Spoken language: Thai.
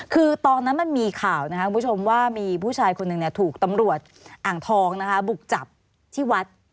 คือตอนนั้นมันมีข่าวนะครับคุณผู้ชมว่ามีผู้ชายคนหนึ่งถูกตำรวจอ่างทองนะคะบุกจับที่วัด